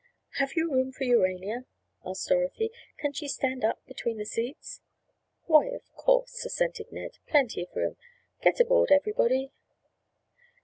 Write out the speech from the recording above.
"Have you room for Urania?" asked Dorothy. "Can she stand up between the seats?" "Why, of course," assented Ned. "Plenty of room. Get aboard everybody."